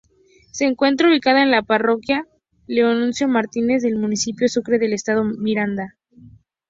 Se encuentra ubicada en la parroquia Leoncio Martínez, del Municipio Sucre del Estado Miranda.